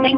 Good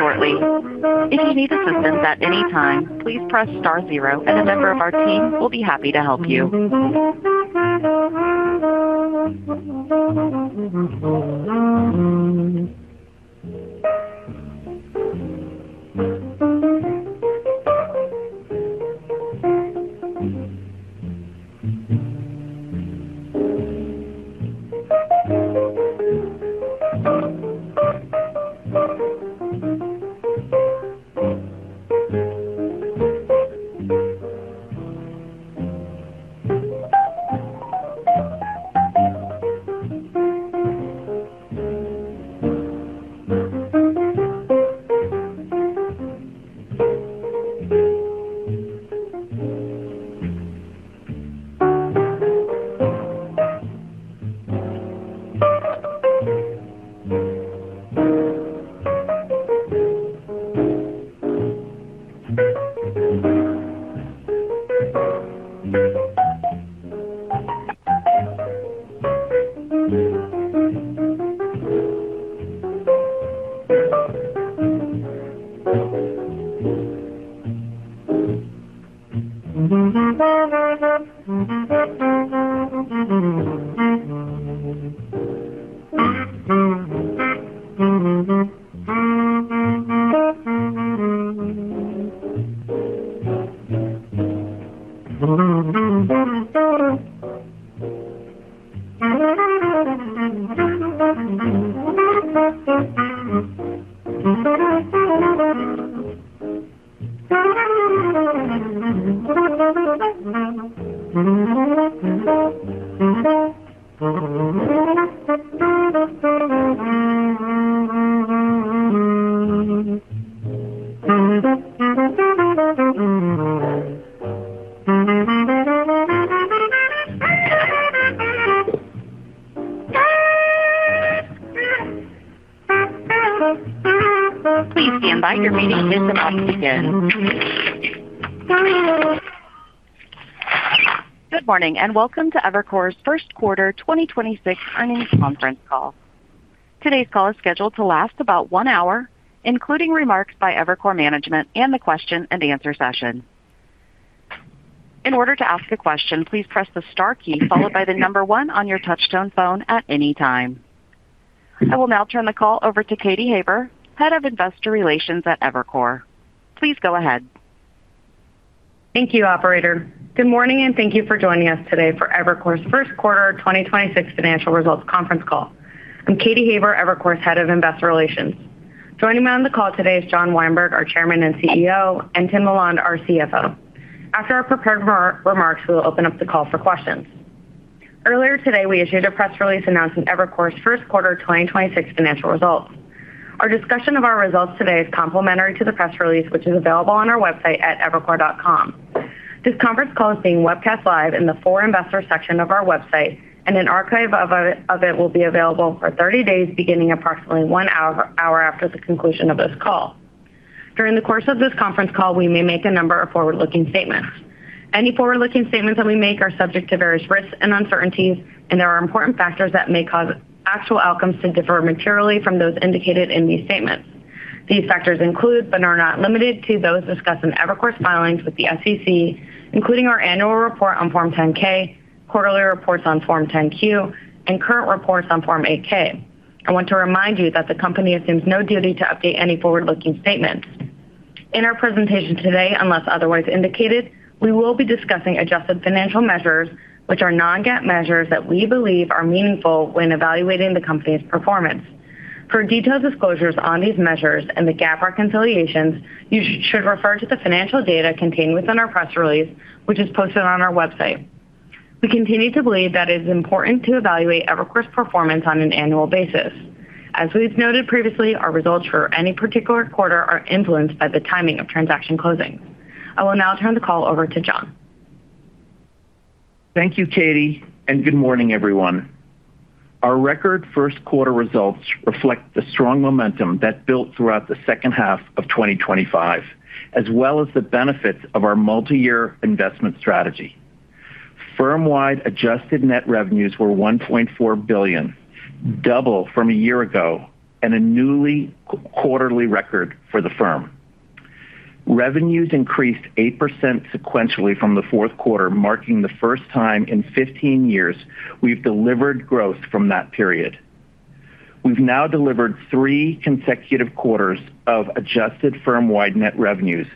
morning, and welcome to Evercore's first quarter 2026 earnings conference call. Today's call is scheduled to last about 1 hour, including remarks by Evercore management and the question and answer session. In order to ask a question, please press the star key followed by the number one on your touchtone phone at any time. I will now turn the call over to Katy Haber, Head of Investor Relations at Evercore. Please go ahead. Thank you, operator. Good morning, and thank you for joining us today for Evercore's first quarter 2026 financial results conference call. I'm Katy Haber, Evercore's Head of Investor Relations. Joining me on the call today is John Weinberg, our Chairman and CEO, and Tim LaLonde, our CFO. After our prepared remarks, we will open up the call for questions. Earlier today, we issued a press release announcing Evercore's first quarter 2026 financial results. Our discussion of our results today is complementary to the press release, which is available on our website at evercore.com. This conference call is being webcast live in the For Investors section of our website, and an archive of it will be available for 30 days beginning approximately one hour after the conclusion of this call. During the course of this conference call, we may make a number of forward-looking statements. Any forward-looking statements that we make are subject to various risks and uncertainties, and there are important factors that may cause actual outcomes to differ materially from those indicated in these statements. These factors include, but are not limited to, those discussed in Evercore's filings with the SEC, including our annual report on Form 10-K, quarterly reports on Form 10-Q, and current reports on Form 8-K. I want to remind you that the company assumes no duty to update any forward-looking statements. In our presentation today, unless otherwise indicated, we will be discussing adjusted financial measures, which are non-GAAP measures that we believe are meaningful when evaluating the company's performance. For detailed disclosures on these measures and the GAAP reconciliations, you should refer to the financial data contained within our press release, which is posted on our website. We continue to believe that it is important to evaluate Evercore's performance on an annual basis. As we've noted previously, our results for any particular quarter are influenced by the timing of transaction closings. I will now turn the call over to John. Thank you, Katy, and good morning, everyone. Our record first quarter results reflect the strong momentum that built throughout the second half of 2025, as well as the benefits of our multi-year investment strategy. Firmwide adjusted net revenues were $1.4 billion, double from a year ago and a new quarterly record for the firm. Revenues increased 8% sequentially from the fourth quarter, marking the first time in 15 years we've delivered growth from that period. We've now delivered three consecutive quarters of adjusted firm-wide net revenues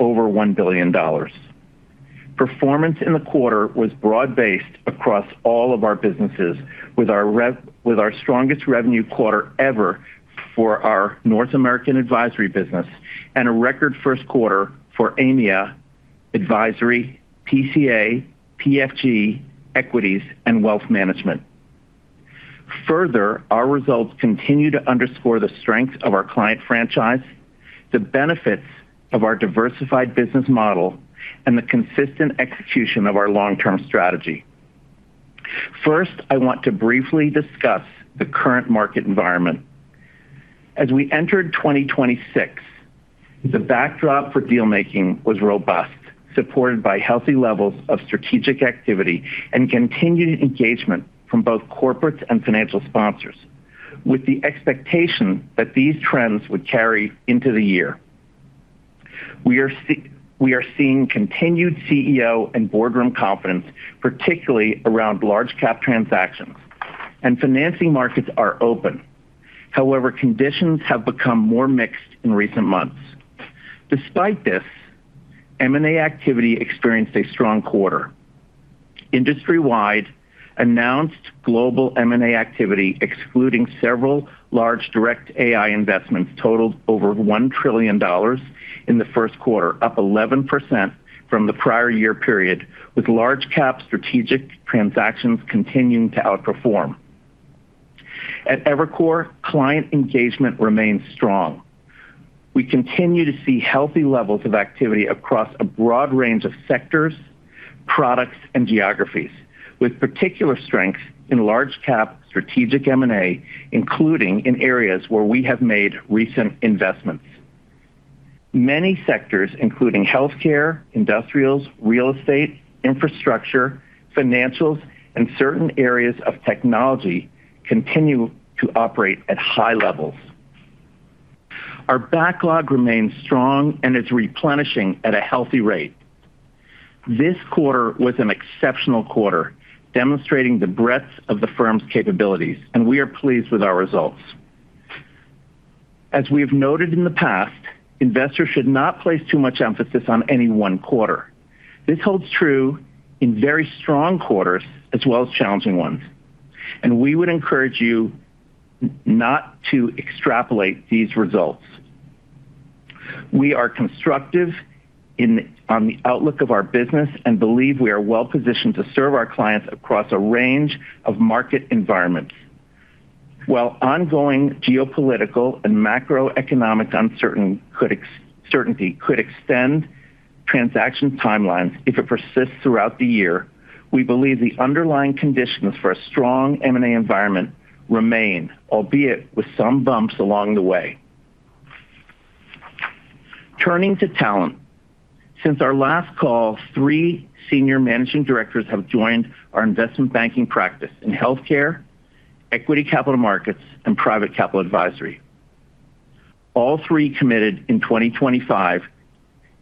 over $1 billion. Performance in the quarter was broad-based across all of our businesses with our strongest revenue quarter ever for our North American advisory business and a record first quarter for EMEA advisory, PCA, PFG, equities, and wealth management. Further, our results continue to underscore the strength of our client franchise, the benefits of our diversified business model, and the consistent execution of our long-term strategy. First, I want to briefly discuss the current market environment. As we entered 2026, the backdrop for deal-making was robust, supported by healthy levels of strategic activity and continued engagement from both corporates and financial sponsors, with the expectation that these trends would carry into the year. We are seeing continued CEO and boardroom confidence, particularly around large cap transactions, and financing markets are open. However, conditions have become more mixed in recent months. Despite this, M&A activity experienced a strong quarter. Industry-wide announced global M&A activity, excluding several large direct AI investments, totaled over $1 trillion in the first quarter, up 11% from the prior year period, with large cap strategic transactions continuing to outperform. At Evercore, client engagement remains strong. We continue to see healthy levels of activity across a broad range of sectors, products, and geographies, with particular strength in large cap strategic M&A, including in areas where we have made recent investments. Many sectors, including healthcare, industrials, real estate, infrastructure, financials, and certain areas of technology, continue to operate at high levels. Our backlog remains strong and is replenishing at a healthy rate. This quarter was an exceptional quarter, demonstrating the breadth of the firm's capabilities, and we are pleased with our results. As we have noted in the past, investors should not place too much emphasis on any one quarter. This holds true in very strong quarters as well as challenging ones, and we would encourage you not to extrapolate these results. We are constructive on the outlook of our business and believe we are well positioned to serve our clients across a range of market environments. While ongoing geopolitical and macroeconomic uncertainty could extend transaction timelines if it persists throughout the year, we believe the underlying conditions for a strong M&A environment remain, albeit with some bumps along the way. Turning to talent, since our last call, three Senior Managing Directors have joined our investment banking practice in healthcare, equity capital markets, and private capital advisory. All three committed in 2025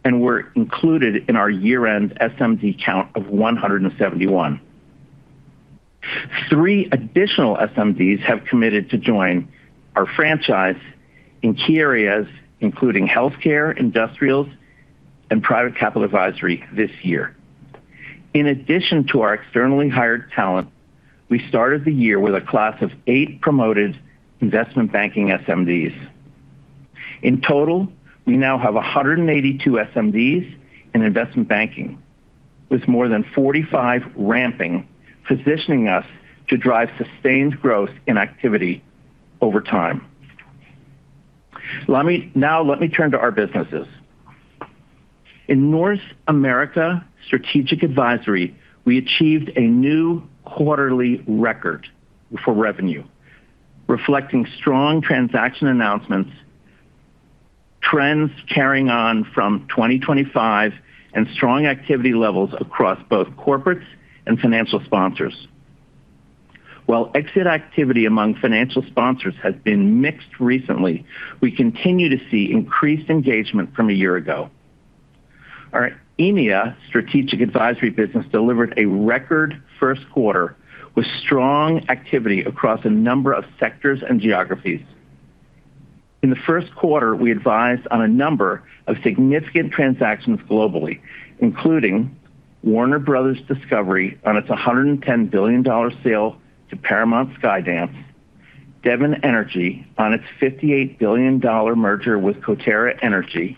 and were included in our year-end SMD count of 171. 3 additional SMDs have committed to join our franchise in key areas, including healthcare, industrials, and private capital advisory this year. In addition to our externally hired talent, we started the year with a class of eight promoted investment banking SMDs. In total, we now have 182 SMDs in investment banking, with more than 45 ramping, positioning us to drive sustained growth in activity over time. Now let me turn to our businesses. In North America Strategic Advisory, we achieved a new quarterly record for revenue, reflecting strong transaction announcements, trends carrying on from 2025, and strong activity levels across both corporates and financial sponsors. While exit activity among financial sponsors has been mixed recently, we continue to see increased engagement from a year-ago. Our EMEA Strategic Advisory business delivered a record first quarter with strong activity across a number of sectors and geographies. In the first quarter, we advised on a number of significant transactions globally, including Warner Bros. Discovery on its $110 billion sale to Paramount Skydance, Devon Energy on its $58 billion merger with Coterra Energy,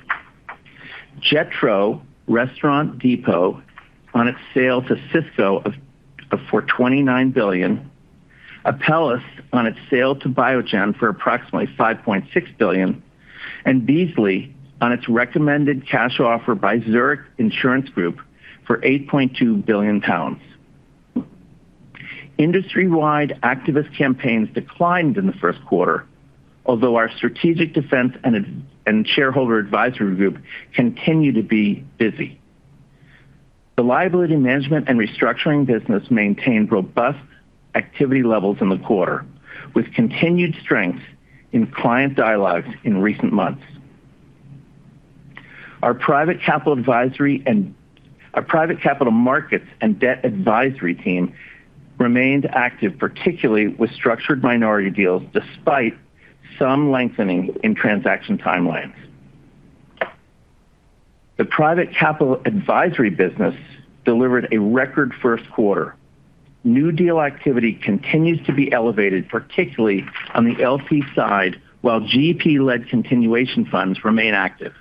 Jetro Restaurant Depot on its sale to Sysco of for $29 billion, Apellis on its sale to Biogen for approximately $5.6 billion, and Beazley on its recommended cash offer by Zurich Insurance Group for 8.2 billion pounds. Industry-wide activist campaigns declined in the first quarter, although our strategic defense and shareholder advisory group continue to be busy. The liability management and restructuring business maintained robust activity levels in the quarter, with continued strength in client dialogues in recent months. Our private capital markets and debt advisory team remained active, particularly with structured minority deals, despite some lengthening in transaction timelines. The private capital advisory business delivered a record first quarter. New deal activity continues to be elevated, particularly on the LP side, while GP-led continuation funds remain active.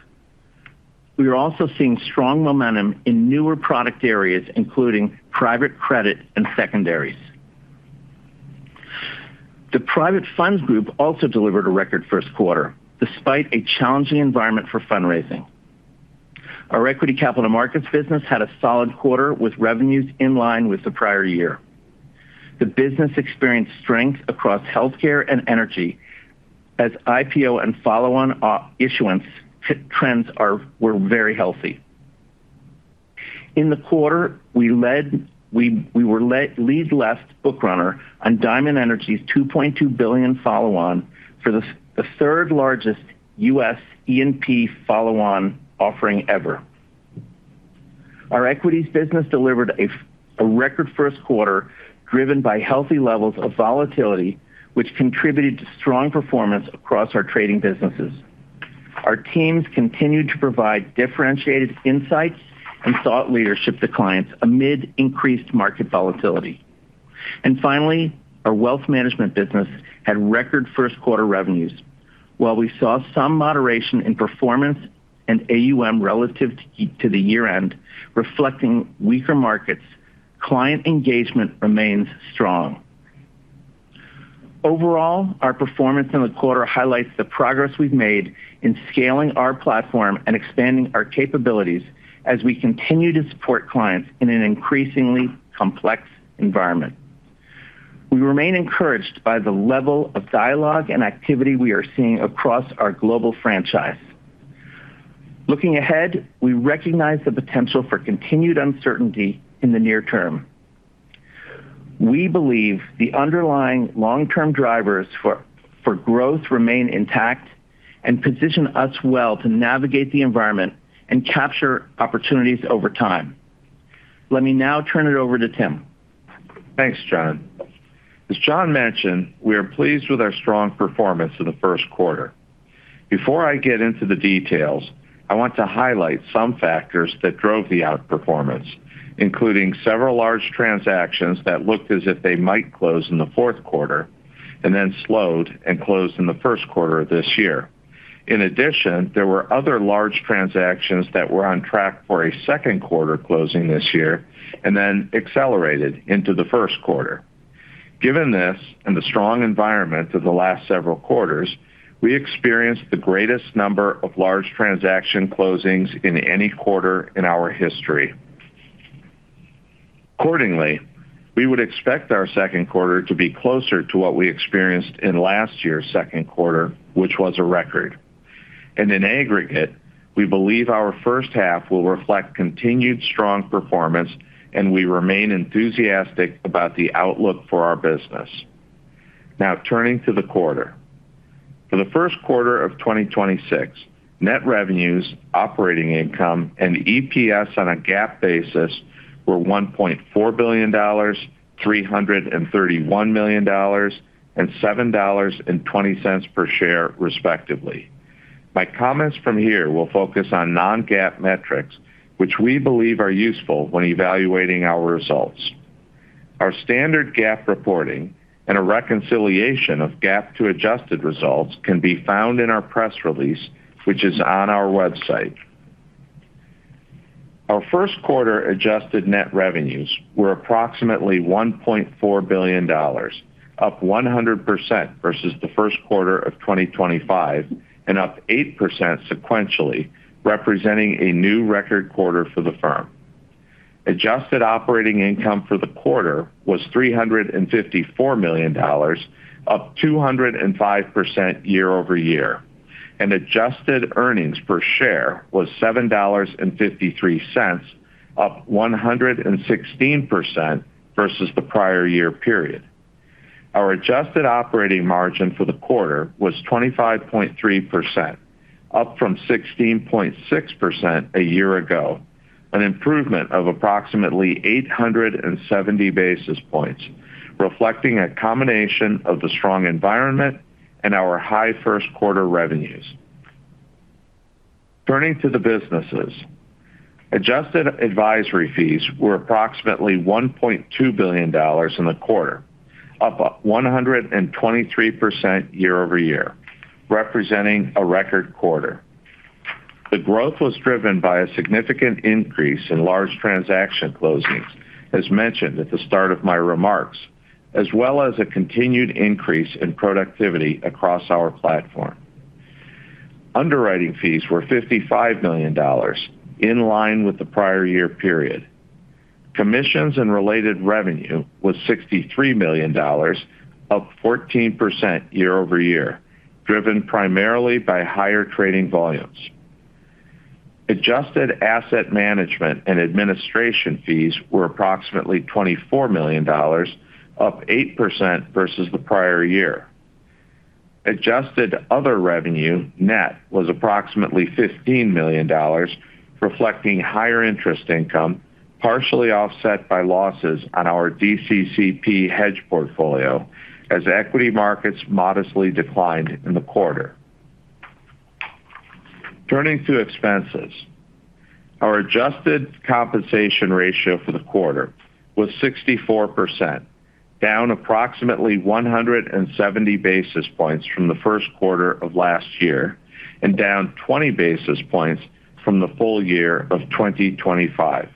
We are also seeing strong momentum in newer product areas, including private credit and secondaries. The Private Funds Group also delivered a record first quarter, despite a challenging environment for fundraising. Our equity capital markets business had a solid quarter with revenues in line with the prior year. The business experienced strength across healthcare and energy as IPO and follow-on issuance trends were very healthy. In the quarter, we were lead book runner on Diamondback Energy's $2.2 billion follow-on for the third-largest U.S. E&P follow-on offering ever. Our equities business delivered a record first quarter driven by healthy levels of volatility, which contributed to strong performance across our trading businesses. Our teams continued to provide differentiated insights and thought leadership to clients amid increased market volatility. Finally, our wealth management business had record first quarter revenues. While we saw some moderation in performance and AUM relative to the year-end reflecting weaker markets, client engagement remains strong. Overall, our performance in the quarter highlights the progress we've made in scaling our platform and expanding our capabilities as we continue to support clients in an increasingly complex environment. We remain encouraged by the level of dialogue and activity we are seeing across our global franchise. Looking ahead, we recognize the potential for continued uncertainty in the near-term. We believe the underlying long-term drivers for growth remain intact and position us well to navigate the environment and capture opportunities over time. Let me now turn it over to Tim. Thanks, John. As John mentioned, we are pleased with our strong performance in the first quarter. Before I get into the details, I want to highlight some factors that drove the outperformance, including several large transactions that looked as if they might close in the fourth quarter then slowed and closed in the first quarter of this year. In addition, there were other large transactions that were on track for a second quarter closing this year then accelerated into the first quarter. Given this and the strong environment of the last several quarters, we experienced the greatest number of large transaction closings in any quarter in our history. Accordingly, we would expect our second quarter to be closer to what we experienced in last year's second quarter, which was a record. In aggregate, we believe our first half will reflect continued strong performance, and we remain enthusiastic about the outlook for our business. Turning to the quarter. For the first quarter of 2026, net revenues, operating income, and EPS on a GAAP basis were $1.4 billion, $331 million, and $7.20 per share, respectively. My comments from here will focus on non-GAAP metrics, which we believe are useful when evaluating our results. Our standard GAAP reporting and a reconciliation of GAAP to adjusted results can be found in our press release, which is on evercore.com. Our first quarter adjusted net revenues were approximately $1.4 billion, up 100% versus the first quarter of 2025 and up 8% sequentially, representing a new record quarter for the firm. Adjusted operating income for the quarter was $354 million, up 205% year-over-year. Adjusted earnings per share was $7.53, up 116% versus the prior year period. Our adjusted operating margin for the quarter was 25.3%, up from 16.6% a year-ago, an improvement of approximately 870 basis points, reflecting a combination of the strong environment and our high first quarter revenues. Turning to the businesses. Adjusted advisory fees were approximately $1.2 billion in the quarter, up 123% year-over-year, representing a record quarter. The growth was driven by a significant increase in large transaction closings, as mentioned at the start of my remarks, as well as a continued increase in productivity across our platform. Underwriting fees were $55 million, in line with the prior year period. Commissions and related revenue was $63 million, up 14% year-over-year, driven primarily by higher trading volumes. Adjusted asset management and administration fees were approximately $24 million, up 8% versus the prior year. Adjusted other revenue net was approximately $15 million, reflecting higher interest income, partially offset by losses on our DCCP hedge portfolio as equity markets modestly declined in the quarter. Turning to expenses. Our adjusted compensation ratio for the quarter was 64%, down approximately 170 basis points from the 1st quarter of last year and down 20 basis points from the full year of 2025.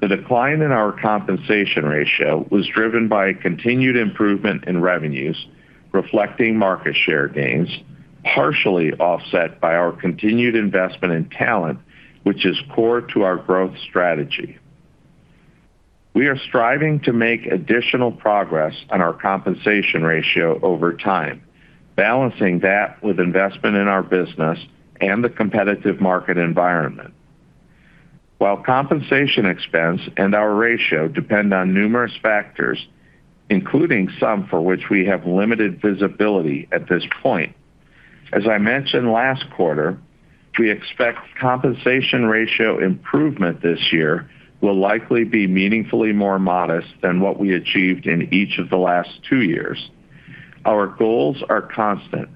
The decline in our compensation ratio was driven by a continued improvement in revenues, reflecting market share gains, partially offset by our continued investment in talent, which is core to our growth strategy. We are striving to make additional progress on our compensation ratio over time, balancing that with investment in our business and the competitive market environment. While compensation expense and our ratio depend on numerous factors, including some for which we have limited visibility at this point, as I mentioned last quarter, we expect compensation ratio improvement this year will likely be meaningfully more modest than what we achieved in each of the last two years. Our goals are constant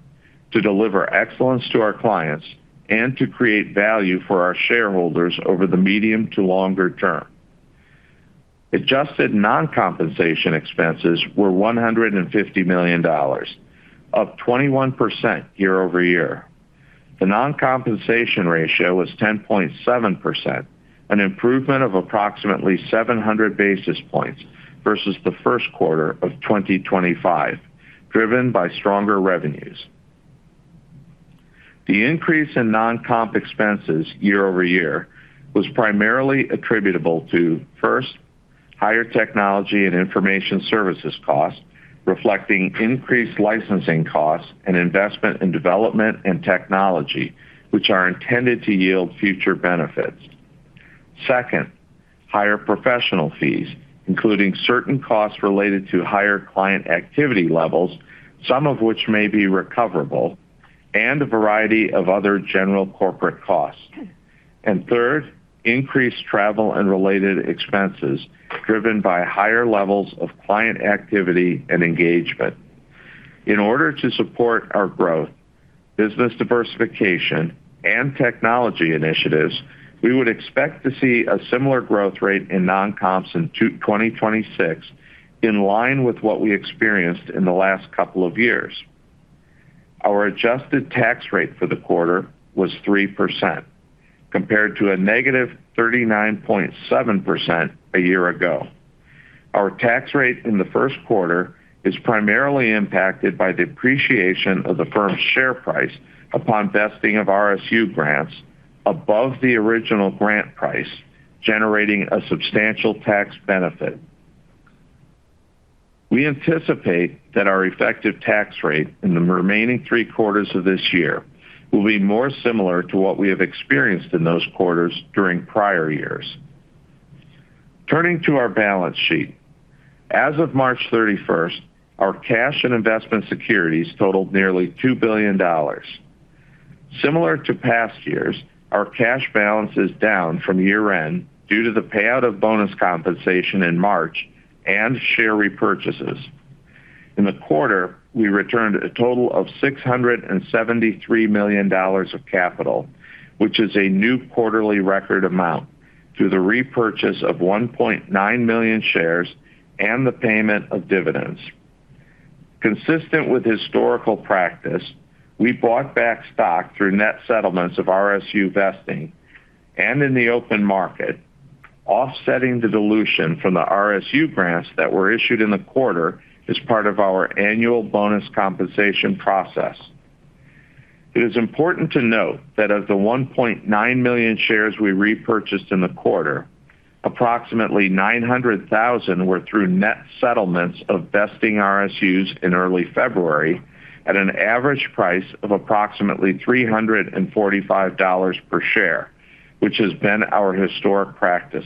to deliver excellence to our clients and to create value for our shareholders over the medium to longer-term. Adjusted non-compensation expenses were $150 million, up 21% year-over-year. The non-compensation ratio was 10.7%, an improvement of approximately 700 basis points versus the first quarter of 2025, driven by stronger revenues. The increase in non-comp expenses year-over-year was primarily attributable to, first, higher technology and information services costs, reflecting increased licensing costs and investment in development and technology, which are intended to yield future benefits. Second, higher professional fees, including certain costs related to higher client activity levels, some of which may be recoverable, and a variety of other general corporate costs. Third, increased travel and related expenses driven by higher levels of client activity and engagement. In order to support our growth, business diversification, and technology initiatives, we would expect to see a similar growth rate in non-comps in 2026 in line with what we experienced in the last couple of years. Our adjusted tax rate for the quarter was 3% compared to a negative 39.7% a year-ago. Our tax rate in the first quarter is primarily impacted by the appreciation of the firm's share price upon vesting of RSU grants above the original grant price, generating a substantial tax benefit. We anticipate that our effective tax rate in the remaining three quarters of this year will be more similar to what we have experienced in those quarters during prior years. Turning to our balance sheet. As of March 31st, our cash and investment securities totaled nearly $2 billion. Similar to past years, our cash balance is down from year-end due to the payout of bonus compensation in March and share repurchases. In the quarter, we returned a total of $673 million of capital, which is a new quarterly record amount, through the repurchase of 1.9 million shares and the payment of dividends. Consistent with historical practice, we bought back stock through net settlements of RSU vesting and in the open market, offsetting the dilution from the RSU grants that were issued in the quarter as part of our annual bonus compensation process. It is important to note that of the 1.9 million shares we repurchased in the quarter, approximately 900,000 were through net settlements of vesting RSUs in early February at an average price of approximately $345 per share, which has been our historic practice.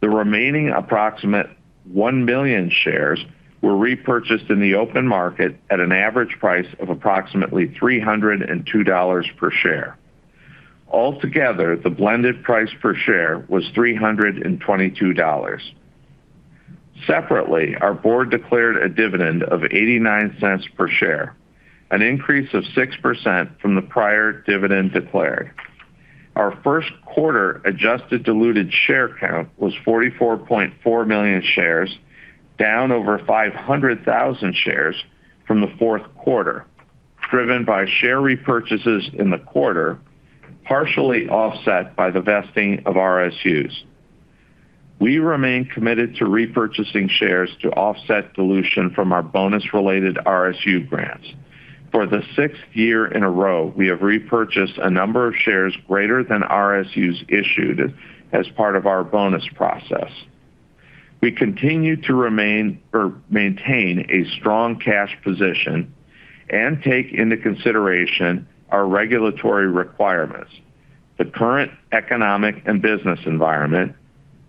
The remaining approximate 1 million shares were repurchased in the open market at an average price of approximately $302 per share. Altogether, the blended price per share was $322. Separately, our board declared a dividend of $0.89 per share, an increase of 6% from the prior dividend declared. Our first quarter adjusted diluted share count was 44.4 million shares, down over 500,000 shares from the fourth quarter, driven by share repurchases in the quarter, partially offset by the vesting of RSUs. We remain committed to repurchasing shares to offset dilution from our bonus-related RSU grants. For the six-year in a row, we have repurchased a number of shares greater than RSUs issued as part of our bonus process. We continue to remain or maintain a strong cash position and take into consideration our regulatory requirements, the current economic and business environment,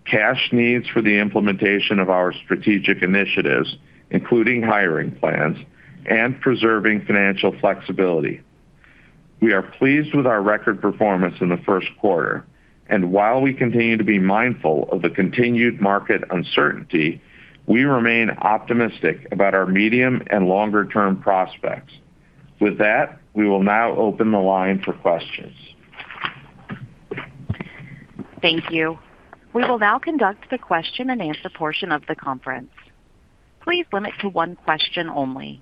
cash needs for the implementation of our strategic initiatives, including hiring plans and preserving financial flexibility. We are pleased with our record performance in the first quarter. While we continue to be mindful of the continued market uncertainty, we remain optimistic about our medium and longer-term prospects. With that, we will now open the line for questions. Thank you. We will now conduct the question-and-answer portion of the conference. Please limit to one question only.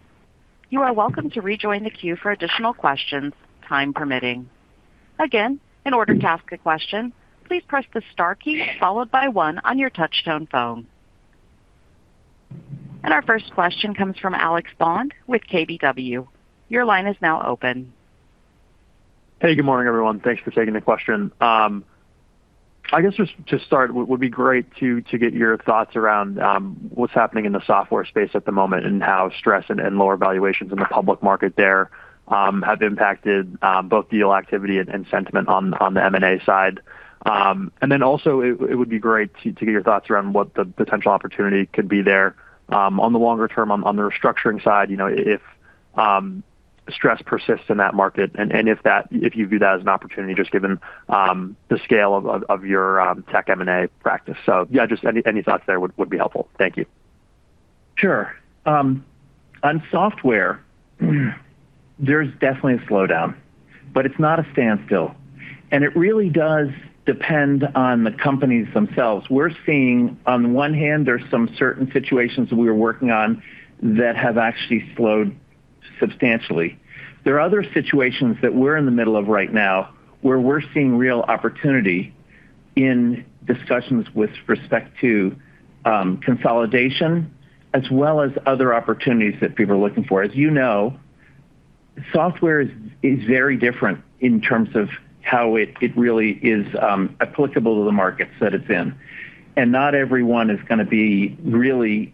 You are welcome to rejoin the queue for additional questions, time permitting. Our first question comes from Alex Bond with KBW. Your line is now open. Hey, good morning, everyone. Thanks for taking the question. I guess just start, it would be great to get your thoughts around what's happening in the software space at the moment and how stress and lower valuations in the public market there have impacted both deal activity and sentiment on the M&A side. Then also it would be great to get your thoughts around what the potential opportunity could be there on the longer-term on the restructuring side, you know, if stress persists in that market and if you view that as an opportunity, just given the scale of your tech M&A practice. Yeah, just any thoughts there would be helpful. Thank you. Sure. On software, there's definitely a slowdown, but it's not a standstill, and it really does depend on the companies themselves. We're seeing on the one hand, there's some certain situations we are working on that have actually slowed substantially. There are other situations that we're in the middle of right now where we're seeing real opportunity in discussions with respect to consolidation as well as other opportunities that people are looking for. As you know, software is very different in terms of how it really is applicable to the markets that it's in. Not everyone is gonna be really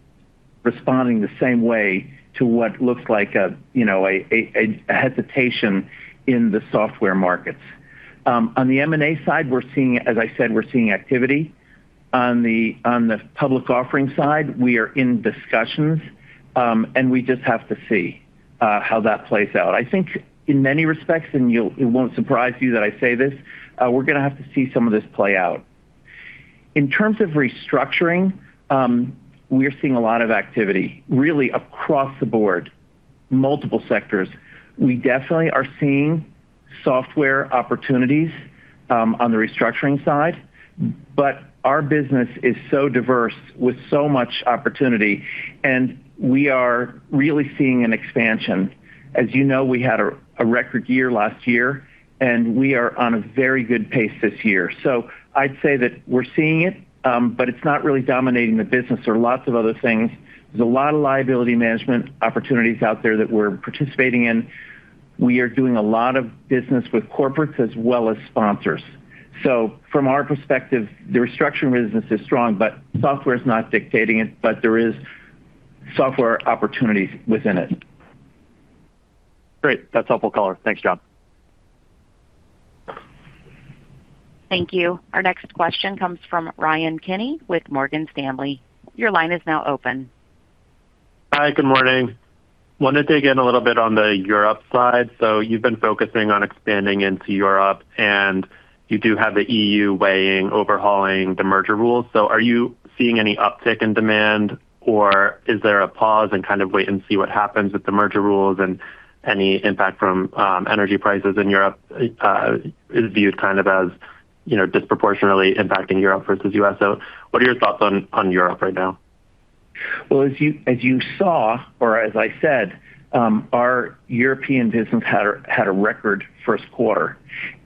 responding the same way to what looks like a, you know, a hesitation in the software markets. On the M&A side, we're seeing, as I said, we're seeing activity. On the public offering side, we are in discussions, we just have to see how that plays out. I think in many respects, it won't surprise you that I say this, we're gonna have to see some of this play out. In terms of restructuring, we are seeing a lot of activity really across the board, multiple sectors. We definitely are seeing software opportunities on the restructuring side, but our business is so diverse with so much opportunity, we are really seeing an expansion. As you know, we had a record year-last-year, we are on a very good pace this year. I'd say that we're seeing it, but it's not really dominating the business. There are lots of other things. There's a lot of liability management opportunities out there that we're participating in. We are doing a lot of business with corporates as well as sponsors. From our perspective, the restructuring business is strong, but software is not dictating it, but there is software opportunities within it. Great. That's helpful color. Thanks, John. Thank you. Our next question comes from Ryan Kenny with Morgan Stanley. Hi. Good morning. Wanted to dig in a little bit on the Europe side. You've been focusing on expanding into Europe, and you do have the EU weighing overhauling the merger rules. Are you seeing any uptick in demand, or is there a pause and kind of wait and see what happens with the merger rules and any impact from energy prices in Europe is viewed kind of as, you know, disproportionately impacting Europe versus U.S.? What are your thoughts on Europe right now? Well, as you saw or as I said, our European business had a record first quarter.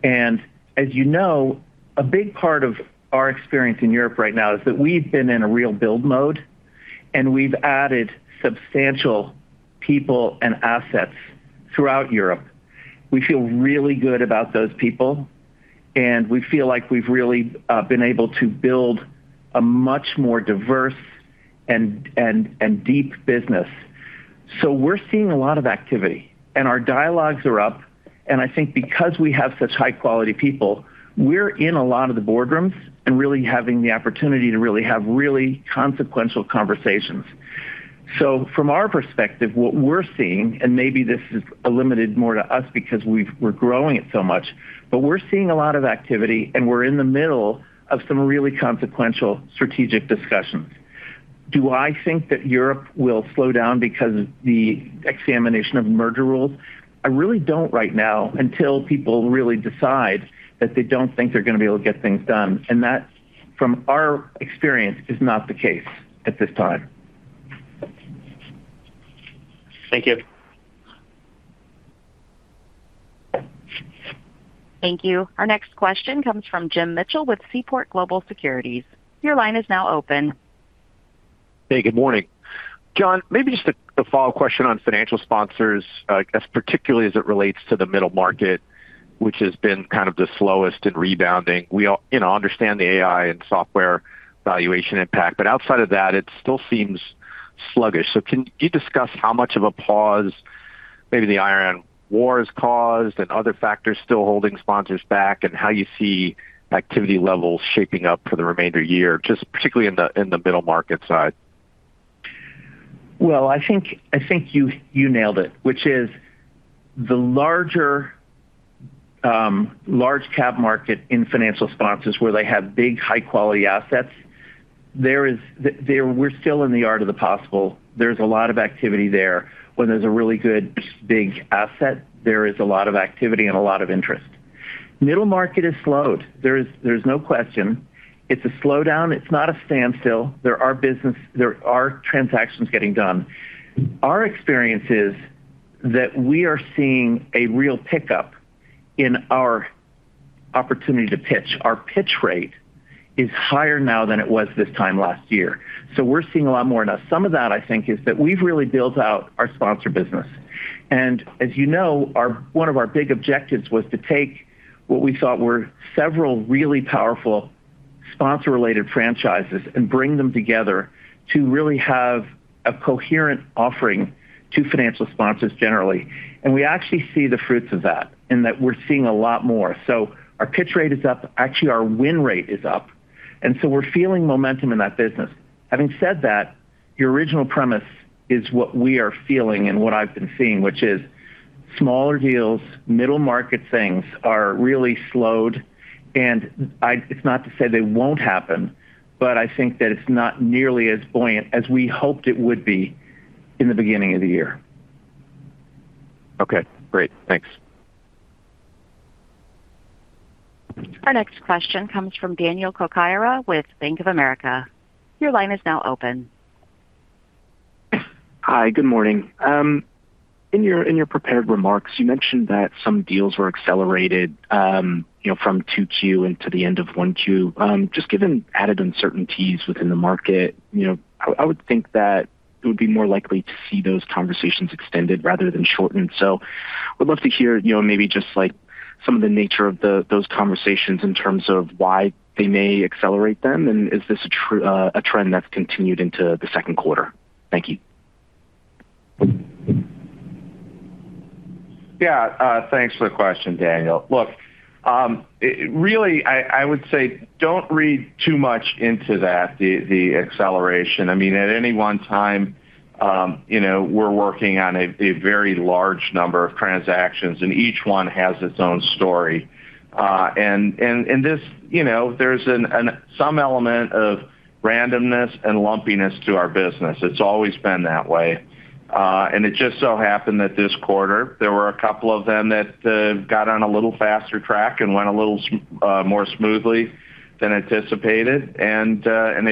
As you know, a big part of our experience in Europe right now is that we've been in a real build mode, and we've added substantial people and assets throughout Europe. We feel really good about those people, and we feel like we've really been able to build a much more diverse and deep business. We're seeing a lot of activity, and our dialogues are up. I think because we have such high-quality people, we're in a lot of the boardrooms and really having the opportunity to really have really consequential conversations. From our perspective, what we're seeing, and maybe this is limited more to us because we're growing it so much, but we're seeing a lot of activity, and we're in the middle of some really consequential strategic discussions. Do I think that Europe will slow down because of the examination of merger rules? I really don't right now until people really decide that they don't think they're gonna be able to get things done. That, from our experience, is not the case at this time. Thank you. Thank you. Our next question comes from Jim Mitchell with Seaport Global Securities. Your line is now open. Hey, good morning. John, maybe just a follow-up question on financial sponsors, as particularly as it relates to the middle market, which has been kind of the slowest in rebounding. We all, you know, understand the AI and software valuation impact, but outside of that, it still seems sluggish. Can you discuss how much of a pause maybe the Iran war has caused and other factors still holding sponsors back, and how you see activity levels shaping up for the remainder year, just particularly in the middle market side? I think you nailed it, which is the larger large cap market in financial sponsors where they have big, high-quality assets, we're still in the art of the possible. There's a lot of activity there. When there's a really good big asset, there is a lot of activity and a lot of interest. Middle market has slowed. There's no question. It's a slowdown. It's not a standstill. There are transactions getting done. Our experience is that we are seeing a real pickup in our opportunity to pitch. Our pitch rate is higher now than it was this time last year. We're seeing a lot more now. Some of that, I think, is that we've really built out our sponsor business. As you know, one of our big objectives was to take what we thought were several really powerful sponsor-related franchises and bring them together to really have a coherent offering to financial sponsors generally. We actually see the fruits of that in that we're seeing a lot more. Our pitch rate is up. Actually, our win rate is up, we're feeling momentum in that business. Having said that, your original premise is what we are feeling and what I've been seeing, which is smaller deals, middle market things are really slowed. It's not to say they won't happen, but I think that it's not nearly as buoyant as we hoped it would be in the beginning of the year. Okay. Great. Thanks. Our next question comes from Daniel Cocchiara with Bank of America. Your line is now open. Hi. Good morning. In your, in your prepared remarks, you mentioned that some deals were accelerated, you know, from 2Q into the end of 1Q. Just given added uncertainties within the market, you know, I would think that it would be more likely to see those conversations extended rather than shortened. Would love to hear, you know, maybe just, like, some of the nature of those conversations in terms of why they may accelerate them, and is this a trend that's continued into the second quarter? Thank you. Yeah, thanks for the question, Daniel. Look, really, I would say don't read too much into that, the acceleration. I mean, at any one time, you know, we're working on a very large number of transactions, and each one has its own story. You know, there's some element of randomness and lumpiness to our business. It's always been that way. It just so happened that this quarter there were a couple of them that got on a little faster track and went a little more smoothly than anticipated, they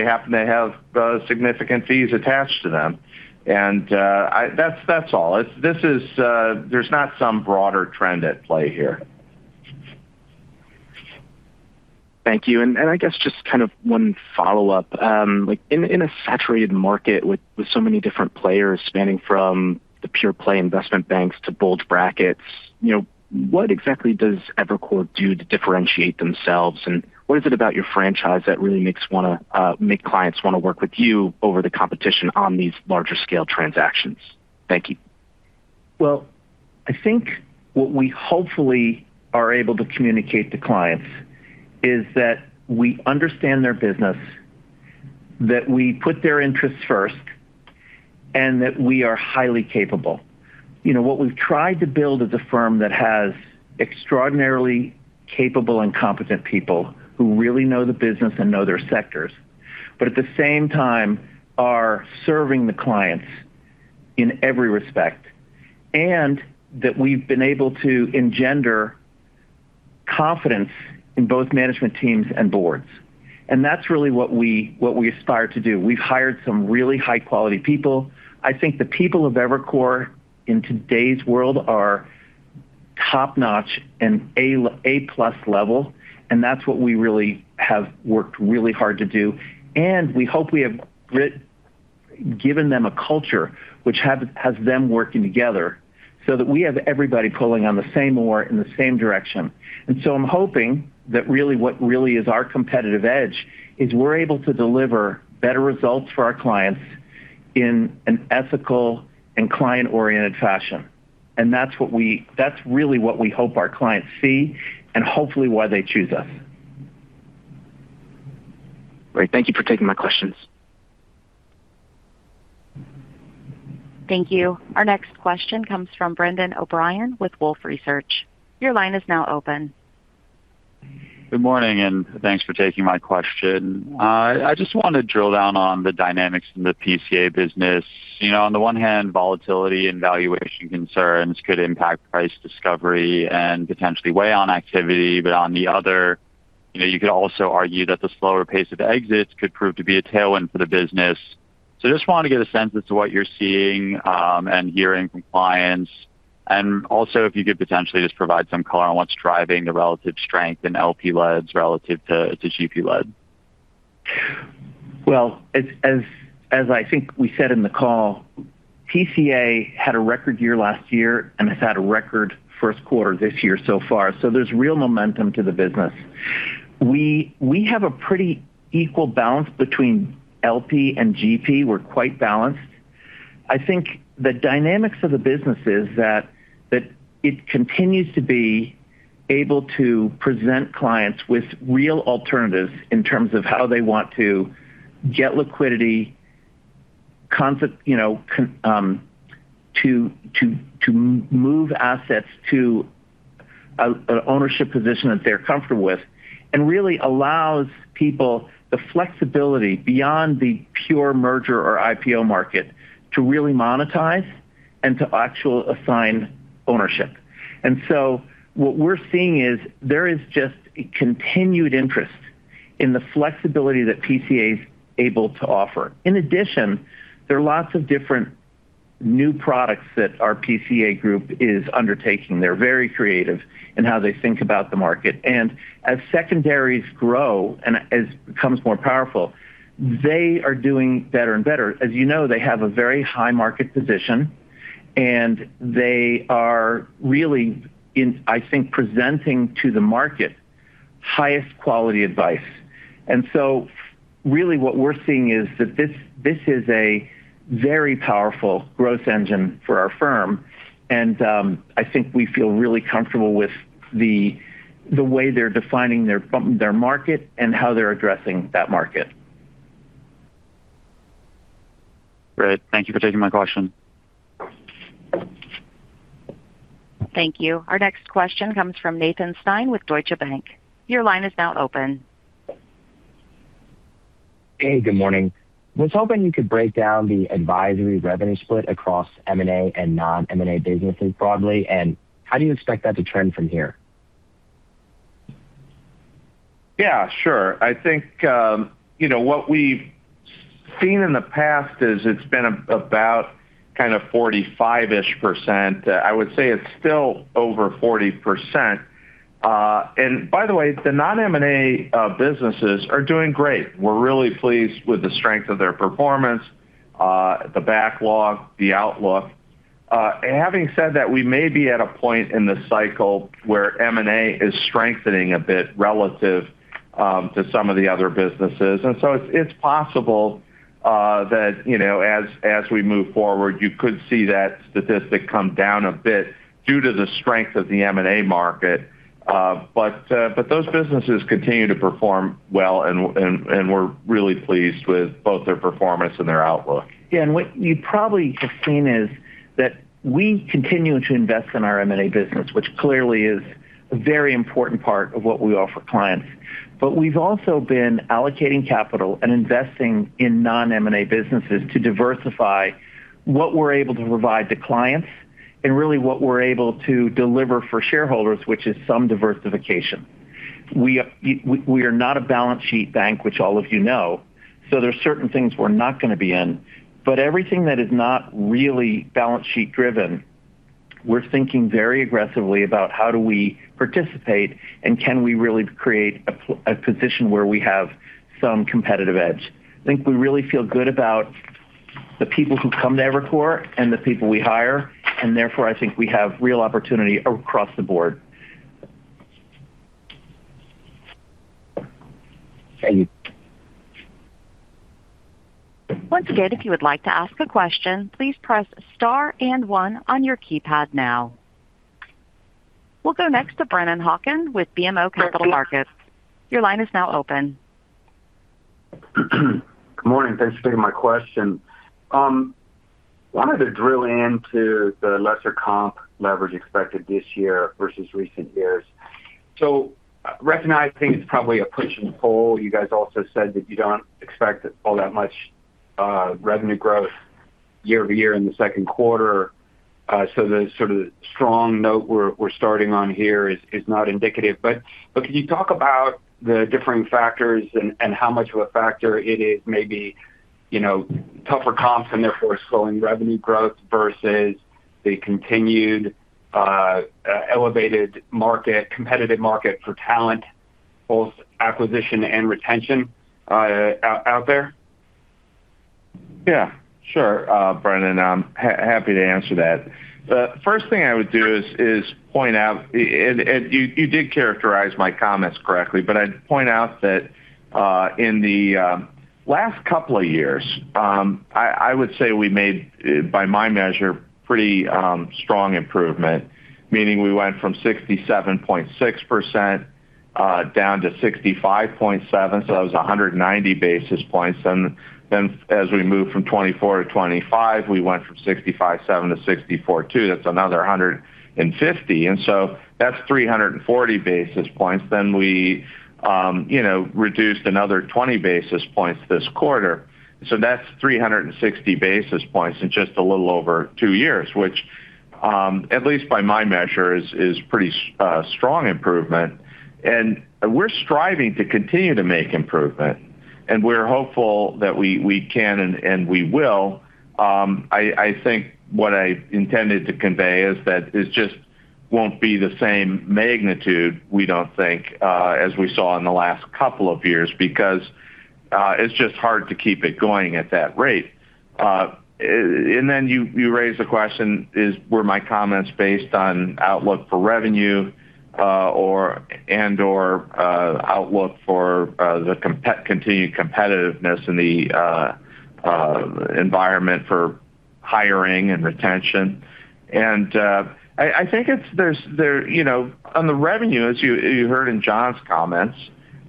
happened to have significant fees attached to them. That's all. There's not some broader trend at play here. Thank you. I guess just kind of one follow-up. like, in a saturated market with so many different players spanning from the pure play investment banks to bulge brackets, you know, what exactly does Evercore do to differentiate themselves, and what is it about your franchise that really makes clients wanna work with you over the competition on these larger scale transactions? Thank you. Well, I think what we hopefully are able to communicate to clients is that we understand their business, that we put their interests first, and that we are highly capable. You know, what we've tried to build is a firm that has extraordinarily capable and competent people who really know the business and know their sectors, but at the same time are serving the clients in every respect, that we've been able to engender confidence in both management teams and boards. That's really what we, what we aspire to do. We've hired some really high-quality people. I think the people of Evercore in today's world are top-notch and A-plus level, and that's what we really have worked really hard to do. We hope we have given them a culture which has them working together so that we have everybody pulling on the same oar in the same direction. I'm hoping that really what really is our competitive edge is we're able to deliver better results for our clients in an ethical and client-oriented fashion, and that's really what we hope our clients see and hopefully why they choose us. Great. Thank you for taking my questions. Thank you. Our next question comes from Brendan O'Brien with Wolfe Research. Your line is now open. Good morning, thanks for taking my question. I just wanna drill down on the dynamics in the PCA business. You know, on the one hand, volatility and valuation concerns could impact price discovery and potentially weigh on activity. On the other, you know, you could also argue that the slower pace of exits could prove to be a tailwind for the business. Just wanna get a sense as to what you're seeing and hearing from clients. Also, if you could potentially just provide some color on what's driving the relative strength in LP-leds relative to GP-leds. Well, as I think we said in the call, PCA had a record year-last-year, and it's had a record first quarter this year so far. There's real momentum to the business. We have a pretty equal balance between LP and GP. We're quite balanced. I think the dynamics of the business is that it continues to be able to present clients with real alternatives in terms of how they want to get liquidity, concept, you know, to move assets to an ownership position that they're comfortable with, and really allows people the flexibility beyond the pure merger or IPO market to really monetize and to actual assign ownership. What we're seeing is there is just a continued interest in the flexibility that PCA is able to offer. In addition, there are lots of different new products that our PCA group is undertaking. They're very creative in how they think about the market. As secondaries grow and as it becomes more powerful, they are doing better and better. As you know, they have a very high market position, and they are really in, I think, presenting to the market highest quality advice. Really what we're seeing is that this is a very powerful growth engine for our firm, and I think we feel really comfortable with the way they're defining their market and how they're addressing that market. Great. Thank you for taking my question. Thank you. Our next question comes from Nathan Stein with Deutsche Bank. Your line is now open. Hey, good morning. I was hoping you could break down the advisory revenue split across M&A and non-M&A businesses broadly, and how do you expect that to trend from here? Yeah, sure. I think, you know, what we've seen in the past is it's been about kind of 45%. I would say it's still over 40%. By the way, the non-M&A businesses are doing great. We're really pleased with the strength of their performance, the backlog, the outlook. Having said that, we may be at a point in the cycle where M&A is strengthening a bit relative to some of the other businesses. It's, it's possible that, you know, as we move forward, you could see that statistic come down a bit due to the strength of the M&A market. But those businesses continue to perform well, and we're really pleased with both their performance and their outlook. Yeah. What you probably have seen is that we continue to invest in our M&A business, which clearly is a very important part of what we offer clients. We've also been allocating capital and investing in non-M&A businesses to diversify what we're able to provide to clients and really what we're able to deliver for shareholders, which is some diversification. We are not a balance sheet bank, which all of you know, so there's certain things we're not gonna be in. Everything that is not really balance sheet driven, we're thinking very aggressively about how do we participate, and can we really create a position where we have some competitive edge. I think we really feel good about the people who come to Evercore and the people we hire, and therefore, I think we have real opportunity across the board. Thank you. We'll go next to Brendan Hawkins with BMO Capital Markets. Your line is now open. Good morning. Thanks for taking my question. I wanted to drill into the lesser comp leverage expected this year versus recent years. Recognizing it's probably a push and pull, you guys also said that you don't expect all that much revenue growth year-over-year in the second quarter. The sort of strong note we're starting on here is not indicative. Can you talk about the differing factors and how much of a factor it is maybe, you know, tougher comps and therefore slowing revenue growth versus the continued elevated market, competitive market for talent, both acquisition and retention, out there? Yeah, sure, Brendan. I'm happy to answer that. The first thing I would do is point out. You did characterize my comments correctly, but I'd point out that in the last couple of years, I would say we made, by my measure, pretty strong improvement, meaning we went from 67.6% down to 65.7, so that was 190 basis points. As we moved from 2024 to 2025, we went from 65.7 to 64.2. That's another 150, and so that's 340 basis points. We, you know, reduced another 20 basis points this quarter, so that's 360 basis points in just a little over two years, which, at least by my measure, is pretty strong improvement. We're striving to continue to make improvement, and we're hopeful that we can and we will. I think what I intended to convey is that it just won't be the same magnitude, we don't think, as we saw in the last couple of years, because it's just hard to keep it going at that rate. Then you raised the question, were my comments based on outlook for revenue or and/or outlook for the continued competitiveness in the environment for hiring and retention? I think there, you know, on the revenue, as you heard in John's comments,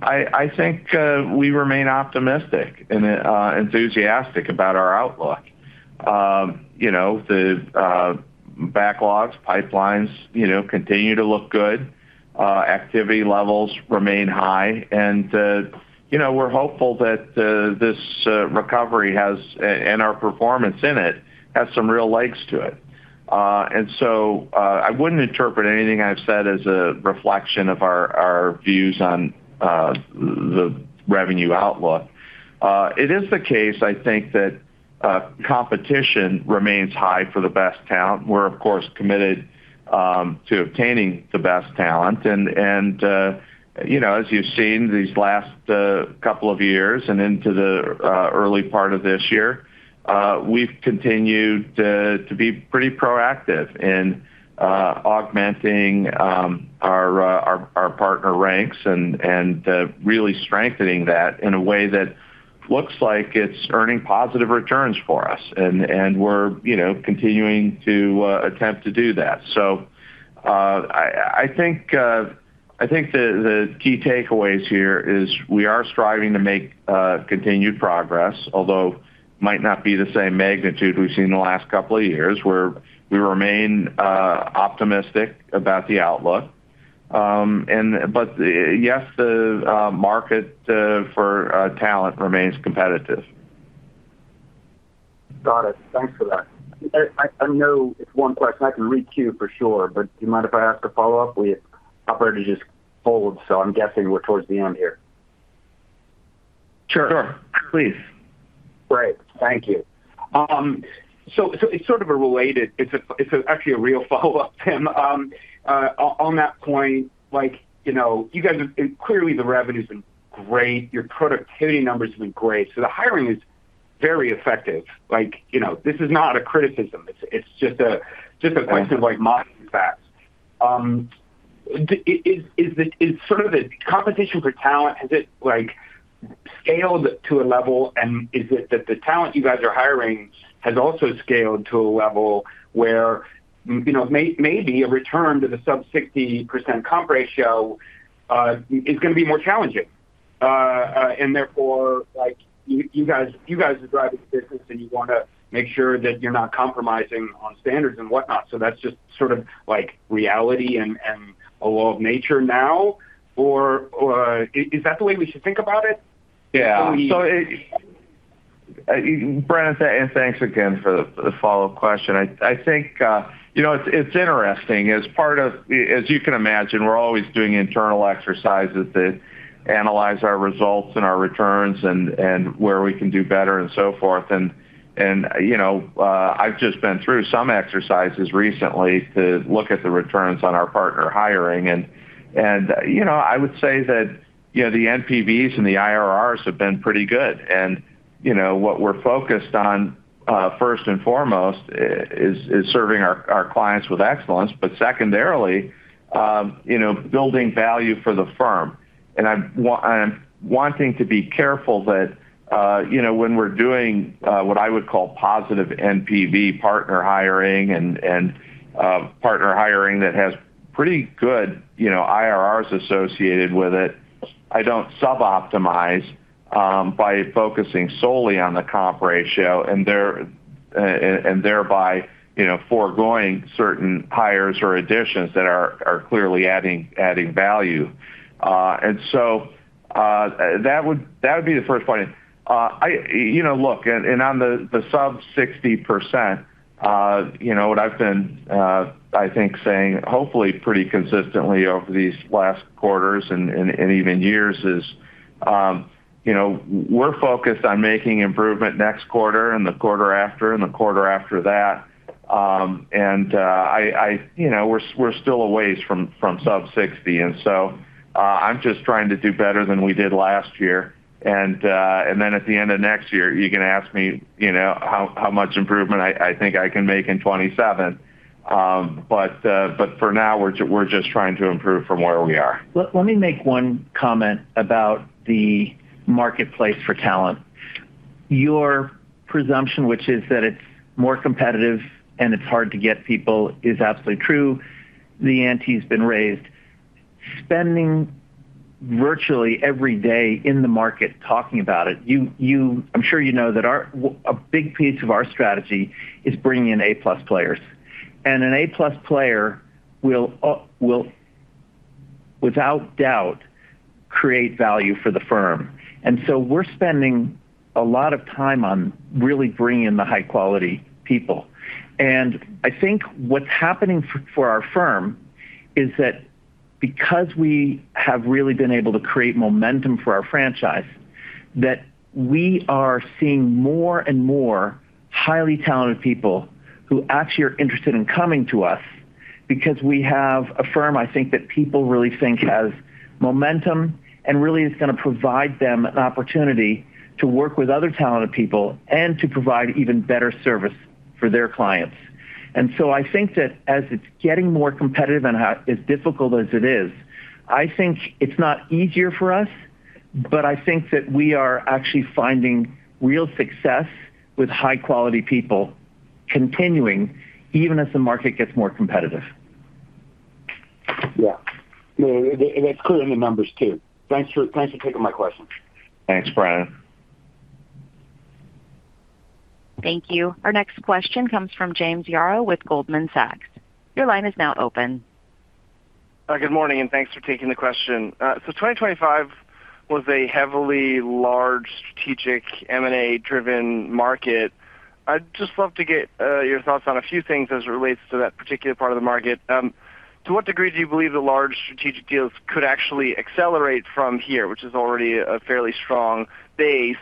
I think we remain optimistic and enthusiastic about our outlook. You know, the backlogs, pipelines, you know, continue to look good. Activity levels remain high, and, you know, we're hopeful that this recovery has, and our performance in it, has some real legs to it. I wouldn't interpret anything I've said as a reflection of our views on the revenue outlook. It is the case, I think, that competition remains high for the best talent. We're, of course, committed to obtaining the best talent, and, you know, as you've seen these last couple of years and into the early part of this year, we've continued to be pretty proactive in augmenting our partner ranks and really strengthening that in a way that looks like it's earning positive returns for us. We're, you know, continuing to attempt to do that. I think the key takeaways here is we are striving to make continued progress, although might not be the same magnitude we've seen in the last couple of years, where we remain optimistic about the outlook. Yes, the market for talent remains competitive. Got it. Thanks for that. I know it's one question. I can re-queue for sure, but do you mind if I ask a follow-up? We appear to just polled, so I'm guessing we're towards the end here. Sure. Sure. Please. Great. Thank you. It's actually a real follow-up, Tim. On that point, like, you know, clearly the revenue's been great. Your productivity numbers have been great, so the hiring is very effective. Like, you know, this is not a criticism. It's just a question of, like, monitoring facts. Is it sort of the competition for talent, has it, like, scaled to a level and is it that the talent you guys are hiring has also scaled to a level where, you know, maybe a return to the sub 60% comp ratio is gonna be more challenging? Therefore, like, you guys are driving the business, and you wanna make sure that you're not compromising on standards and whatnot, so that's just sort of, like, reality and a law of nature now, or, is that the way we should think about it? Yeah. So we- Brendan, thanks again for the follow-up question. I think, you know, it's interesting. As you can imagine, we're always doing internal exercises that analyze our results and our returns and where we can do better and so forth. You know, I've just been through some exercises recently to look at the returns on our partner hiring and, you know, I would say that, you know, the NPVs and the IRRs have been pretty good. You know, what we're focused on, first and foremost is serving our clients with excellence, but secondarily, you know, building value for the firm. I'm wanting to be careful that, you know, when we're doing what I would call positive NPV partner hiring and partner hiring that has pretty good, you know, IRRs associated with it, I don't sub-optimize by focusing solely on the comp ratio and thereby, you know, foregoing certain hires or additions that are clearly adding value. That would be the first point. You know, look, on the sub 60%, you know, what I've been, I think saying hopefully pretty consistently over these last quarters and even years is, you know, we're focused on making improvement next quarter and the quarter after and the quarter after that. You know, we're still a ways from sub 60. I'm just trying to do better than we did last year. At the end of next year, you can ask me, you know, how much improvement I think I can make in 2027. For now, we're just trying to improve from where we are. Let me make one comment about the marketplace for talent. Your presumption, which is that it's more competitive and it's hard to get people, is absolutely true. The ante's been raised. Spending virtually every day in the market talking about it, I'm sure you know that our a big piece of our strategy is bringing in A-plus players. An A-plus player will without doubt create value for the firm. We're spending a lot of time on really bringing in the high-quality people. I think what's happening for our firm is that because we have really been able to create momentum for our franchise, that we are seeing more and more highly talented people who actually are interested in coming to us because we have a firm, I think, that people really think has momentum and really is gonna provide them an opportunity to work with other talented people and to provide even better service for their clients. I think that as it's getting more competitive and how as difficult as it is, I think it's not easier for us, but I think that we are actually finding real success with high-quality people continuing even as the market gets more competitive. Yeah. It's clear in the numbers too. Thanks for taking my question. Thanks, Brendan. Thank you. Our next question comes from James Yaro with Goldman Sachs. Good morning, thanks for taking the question. 2025 was a heavily large strategic M&A-driven market. I'd just love to get your thoughts on a few things as it relates to that particular part of the market. To what degree do you believe the large strategic deals could actually accelerate from here, which is already a fairly strong base?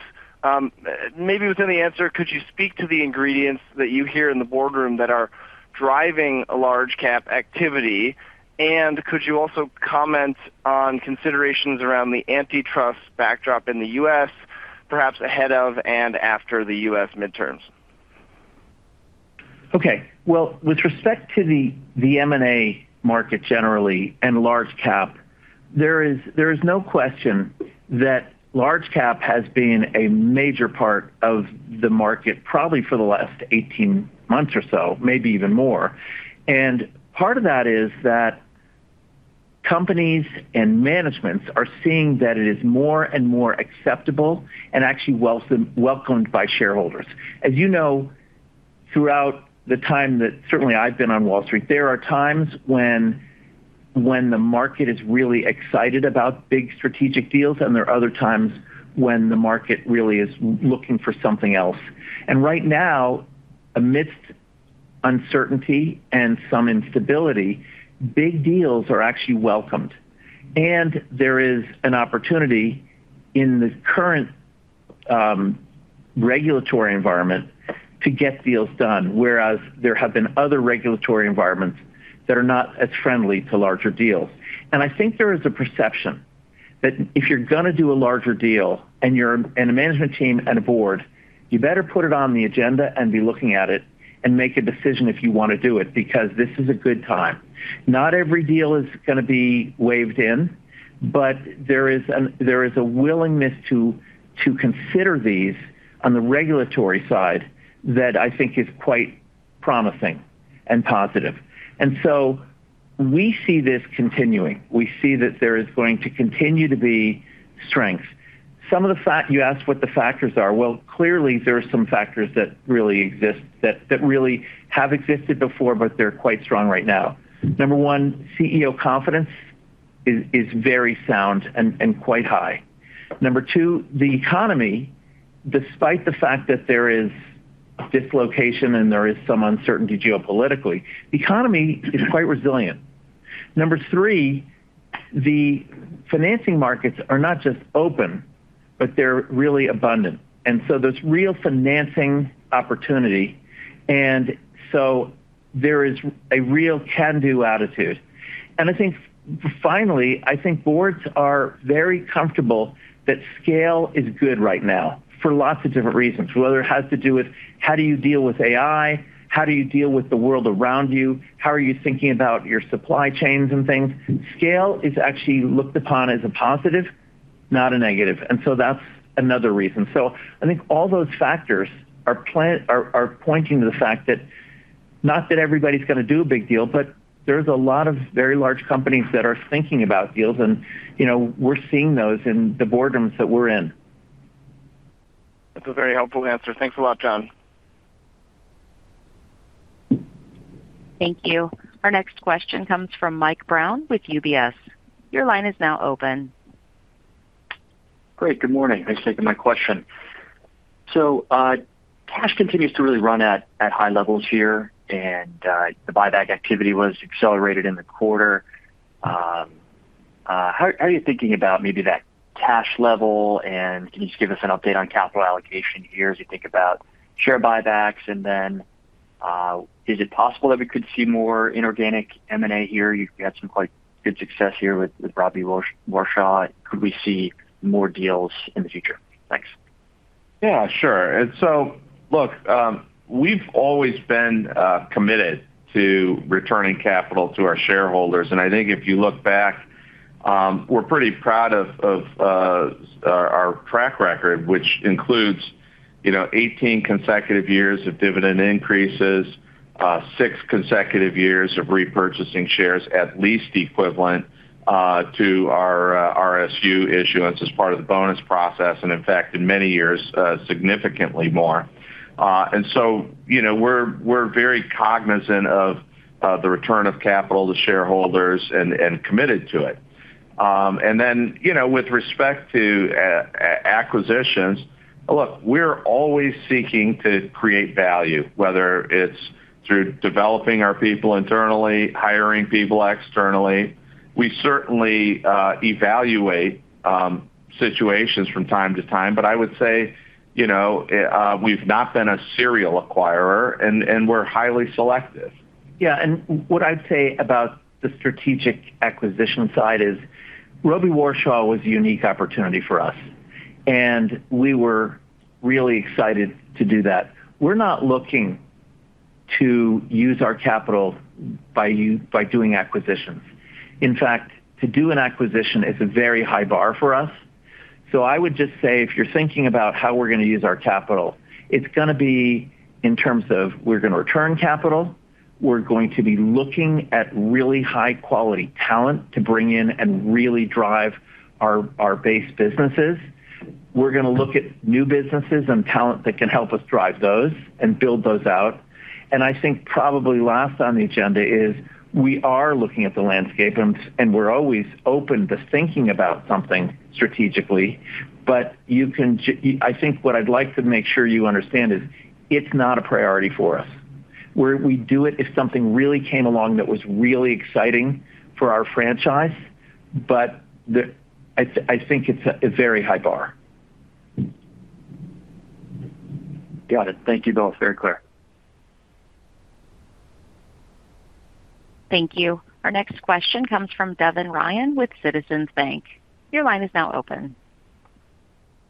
Maybe within the answer, could you speak to the ingredients that you hear in the boardroom that are driving a large cap activity? Could you also comment on considerations around the antitrust backdrop in the U.S., perhaps ahead of and after the U.S. midterms? Okay. Well, with respect to the M&A market generally and large cap, there is no question that large cap has been a major part of the market probably for the last 18 months or so, maybe even more. Part of that is that companies and managements are seeing that it is more and more acceptable and actually welcomed by shareholders. As you know, throughout the time that certainly I've been on Wall Street, there are times when the market is really excited about big strategic deals, and there are other times when the market really is looking for something else. Right now, amidst uncertainty and some instability, big deals are actually welcomed. There is an opportunity in the current regulatory environment to get deals done, whereas there have been other regulatory environments that are not as friendly to larger deals. I think there is a perception that if you're gonna do a larger deal and you're in a management team and a board, you better put it on the agenda and be looking at it and make a decision if you wanna do it because this is a good time. Not every deal is gonna be welcomed in, but there is a willingness to consider these on the regulatory side that I think is quite promising and positive. We see this continuing. We see that there is going to continue to be strength. You asked what the factors are. Well, clearly there are some factors that really exist that really have existed before, but they're quite strong right now. Number one, CEO confidence is very sound and quite high. Number two, the economy, despite the fact that there is dislocation and there is some uncertainty geopolitically, the economy is quite resilient. Number three, the financing markets are not just open, but they're really abundant. There's real financing opportunity. There is a real can-do attitude. I think finally, I think boards are very comfortable that scale is good right now for lots of different reasons, whether it has to do with how do you deal with AI? How do you deal with the world around you? How are you thinking about your supply chains and things? Scale is actually looked upon as a positive, not a negative. That's another reason. I think all those factors are pointing to the fact that not that everybody's gonna do a big deal, but there's a lot of very large companies that are thinking about deals. You know, we're seeing those in the boardrooms that we're in. That's a very helpful answer. Thanks a lot, John. Thank you. Our next question comes from Michael Brown with UBS. Great. Good morning. Thanks for taking my question. Cash continues to really run at high levels here, and the buyback activity was accelerated in the quarter. How are you thinking about maybe that cash level? Can you just give us an update on capital allocation here as you think about share buybacks? Is it possible that we could see more inorganic M&A here? You've got some quite good success here with Robey Warshaw. Could we see more deals in the future? Thanks. Yeah, sure. Look, we've always been committed to returning capital to our shareholders. I think if you look back. We're pretty proud of our track record, which includes, you know, 18 consecutive years of dividend increases, six consecutive years of repurchasing shares at least equivalent to our RSU issuance as part of the bonus process and in fact, in many years, significantly more. You know, we're very cognizant of the return of capital to shareholders and committed to it. You know, with respect to acquisitions, look, we're always seeking to create value, whether it's through developing our people internally, hiring people externally. We certainly evaluate situations from time to time, but I would say, you know, we've not been a serial acquirer and we're highly selective. Yeah, what I'd say about the strategic acquisition side is Robey Warshaw was a unique opportunity for us, and we were really excited to do that. We're not looking to use our capital by doing acquisitions. In fact, to do an acquisition is a very high bar for us. I would just say, if you're thinking about how we're gonna use our capital, it's gonna be in terms of we're gonna return capital. We're going to be looking at really high-quality talent to bring in and really drive our base businesses. We're gonna look at new businesses and talent that can help us drive those and build those out. I think probably last on the agenda is we are looking at the landscape and we're always open to thinking about something strategically. I think what I'd like to make sure you understand is it's not a priority for us. We'd do it if something really came along that was really exciting for our franchise, but I think it's a very high bar. Got it. Thank you both. Very clear. Thank you. Our next question comes from Devin Ryan with Citizens. Your line is now open.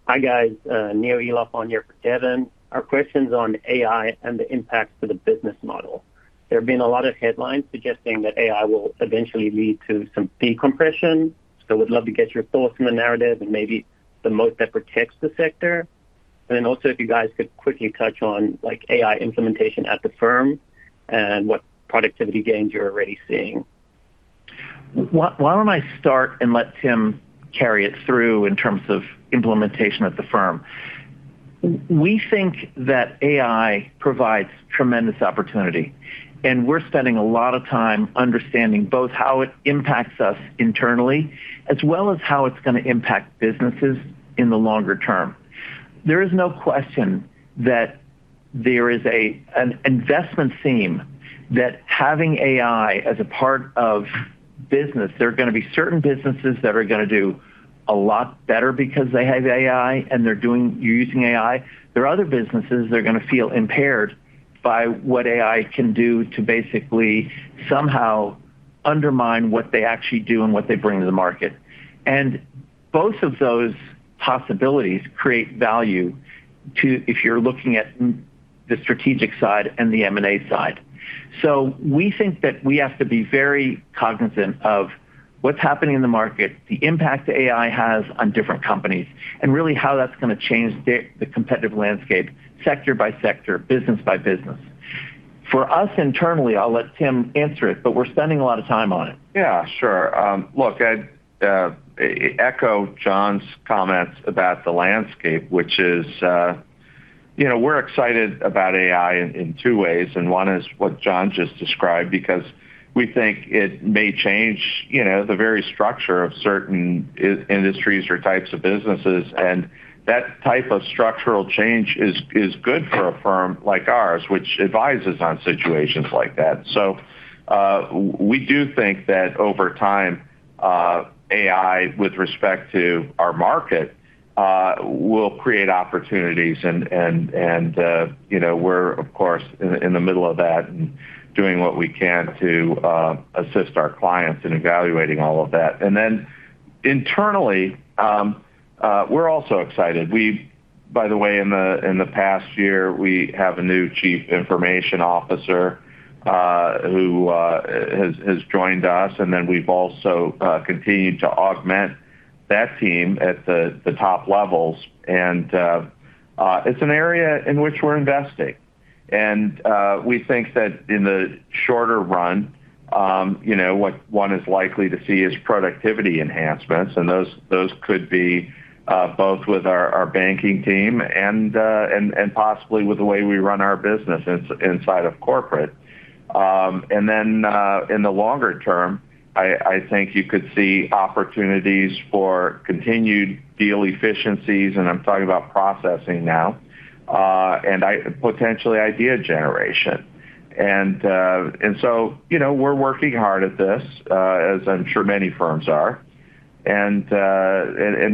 Hi, guys. Neil Eloff on here for Devin. Our question's on AI and the impact to the business model. There have been a lot of headlines suggesting that AI will eventually lead to some fee compression, so would love to get your thoughts on the narrative and maybe the moat that protects the sector. Also if you guys could quickly touch on, like, AI implementation at the firm and what productivity gains you're already seeing. Why don't I start and let Tim carry it through in terms of implementation at the firm? We think that AI provides tremendous opportunity, and we're spending a lot of time understanding both how it impacts us internally as well as how it's gonna impact businesses in the longer-term. There is no question that there is an investment theme that having AI as a part of business, there are gonna be certain businesses that are gonna do a lot better because they have AI and they're using AI. There are other businesses that are gonna feel impaired by what AI can do to basically somehow undermine what they actually do and what they bring to the market. Both of those possibilities create value if you're looking at the strategic side and the M&A side. We think that we have to be very cognizant of what's happening in the market, the impact AI has on different companies, and really how that's going to change the competitive landscape sector by sector, business by business. For us internally, I'll let Tim answer it, but we're spending a lot of time on it. Yeah, sure. Look, I'd echo John's comments about the landscape, which is, you know, we're excited about AI in two ways, and one is what John just described because we think it may change, you know, the very structure of certain industries or types of businesses. That type of structural change is good for a firm like ours, which advises on situations like that. We do think that over time, AI with respect to our market, will create opportunities and, you know, we're of course in the middle of that and doing what we can to assist our clients in evaluating all of that. Internally, we're also excited. We've by the way, in the past year, we have a new chief information officer who has joined us, and then we've also continued to augment that team at the top levels. It's an area in which we're investing. We think that in the shorter run, you know, what one is likely to see is productivity enhancements, and those could be both with our banking team and possibly with the way we run our business inside of corporate. In the longer-term, I think you could see opportunities for continued deal efficiencies, and I'm talking about processing now, and potentially idea generation. You know, we're working hard at this, as I'm sure many firms are.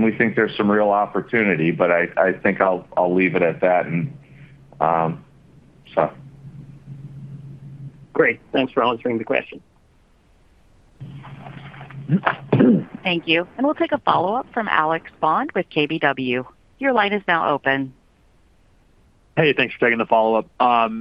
We think there's some real opportunity, but I think I'll leave it at that. Great. Thanks for answering the question. Thank you. We'll take a follow-up from Alex Bond with KBW. Your line is now open. Hey, thanks for taking the follow-up.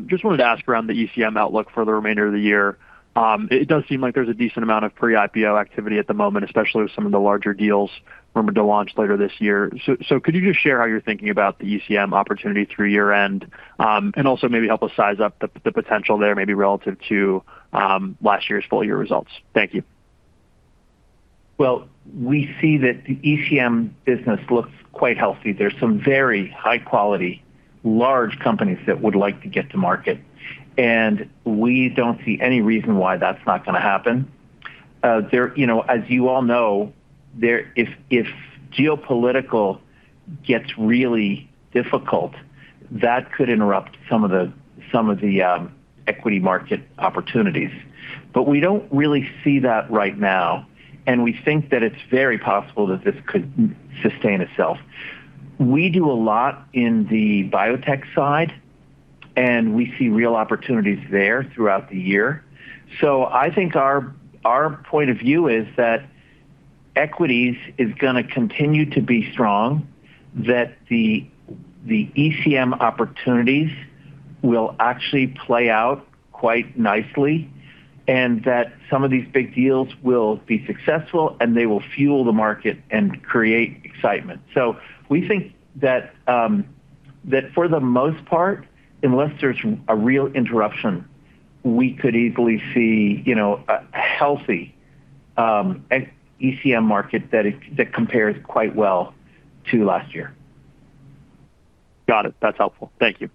Just wanted to ask around the ECM outlook for the remainder of the year. It does seem like there's a decent amount of pre-IPO activity at the moment, especially with some of the larger deals rumored to launch later this year. Could you just share how you're thinking about the ECM opportunity through year-end? And also maybe help us size up the potential there maybe relative to last year's full year results. Thank you. Well, we see that the ECM business looks quite healthy. There's some very high quality, large companies that would like to get to market, and we don't see any reason why that's not gonna happen. You know, as you all know, if geopolitical gets really difficult, that could interrupt some of the equity market opportunities. We don't really see that right now, and we think that it's very possible that this could sustain itself. We do a lot in the biotech side, and we see real opportunities there throughout the year. I think our point of view is that equities is gonna continue to be strong, that the ECM opportunities will actually play out quite nicely, and that some of these big deals will be successful, and they will fuel the market and create excitement. We think that for the most part, unless there's a real interruption, we could easily see, you know, a healthy ECM market that compares quite well to last year. Got it. That's helpful. Thank you.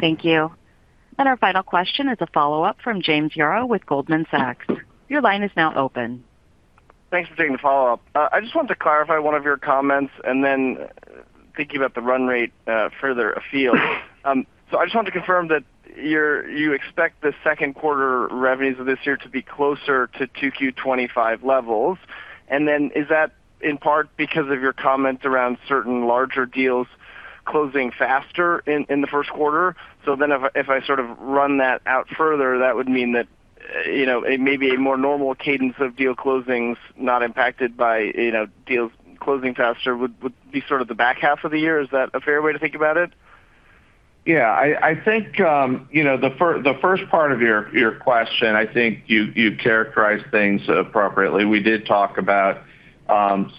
Thank you. Our final question is a follow-up from James Yaro with Goldman Sachs. Your line is now open. Thanks for taking the follow-up. I just wanted to clarify one of your comments and thinking about the run rate further afield. I just wanted to confirm that you expect the 2Q revenues of this year to be closer to 2Q 2025 levels. Is that in part because of your comment around certain larger deals closing faster in the 1Q? If I sort of run that out further, that would mean that, you know, it may be a more normal cadence of deal closings not impacted by, you know, deals closing faster would be sort of the back half of the year. Is that a fair way to think about it? Yeah. I think, you know, the first part of your question, I think you characterized things appropriately. We did talk about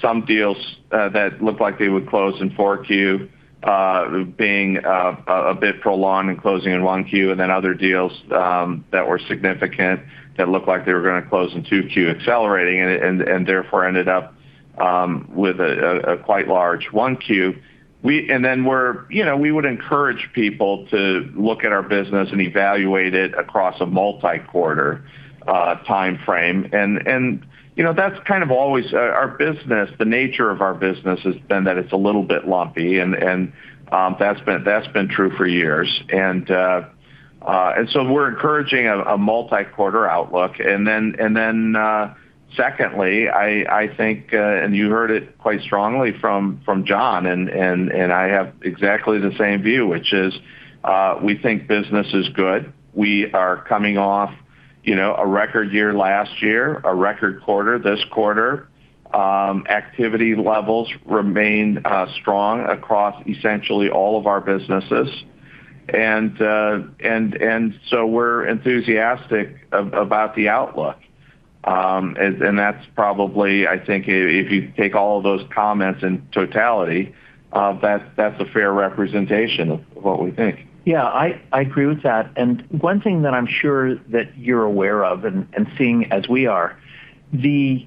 some deals that looked like they would close in 4Q, being a bit prolonged and closing in 1Q, and then other deals that were significant that looked like they were gonna close in 2Q accelerating and therefore ended up with a quite large 1Q. You know, we would encourage people to look at our business and evaluate it across a multi-quarter timeframe. You know, that's kind of always our business. The nature of our business has been that it's a little bit lumpy and that's been true for years. We're encouraging a multi-quarter outlook. Then, secondly, I think, and you heard it quite strongly from John, and I have exactly the same view, which is, we think business is good. We are coming off, you know, a record year-last-year, a record quarter this quarter. Activity levels remain strong across essentially all of our businesses. So we're enthusiastic about the outlook. That's probably I think if you take all of those comments in totality, that's a fair representation of what we think. Yeah. I agree with that. One thing that I'm sure that you're aware of and seeing as we are, the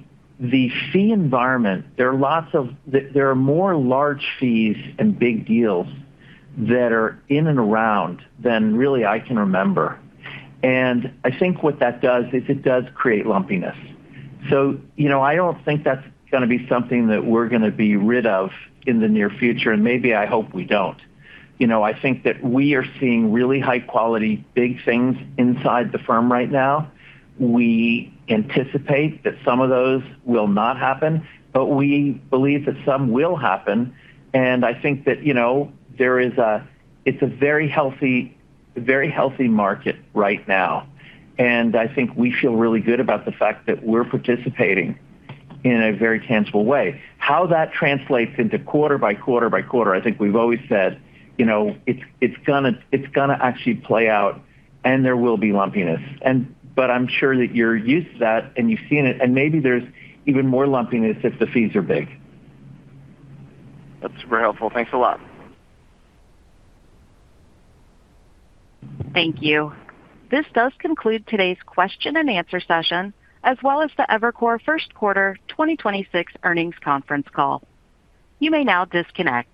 fee environment, there are more large fees and big deals that are in and around than really I can remember. I think what that does is it does create lumpiness. You know, I don't think that's gonna be something that we're gonna be rid of in the near future, and maybe I hope we don't. You know, I think that we are seeing really high quality, big things inside the firm right now. We anticipate that some of those will not happen, but we believe that some will happen. I think that, you know, it's a very healthy, a very healthy market right now, and I think we feel really good about the fact that we're participating in a very tangible way. How that translates into quarter by quarter by quarter, I think we've always said, you know, it's gonna, it's gonna actually play out, and there will be lumpiness. I'm sure that you're used to that, and you've seen it, and maybe there's even more lumpiness if the fees are big. That's very helpful. Thanks a lot. Thank you. This does conclude today's question and answer session, as well as the Evercore first quarter 2026 earnings conference call. You may now disconnect.